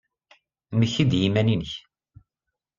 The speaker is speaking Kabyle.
Mmekti-d i yiman-nnek.